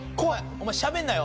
お前しゃべんなよ